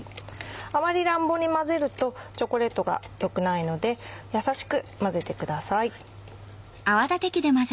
あまり乱暴に混ぜるとチョコレートが良くないのでやさしく混ぜてください。